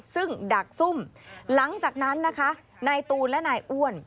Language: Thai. ซึ่งดักซุ่มหลังจากนั้นนะคะนายตูนและนายอ้วน